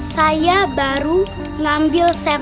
saya baru ngambil senter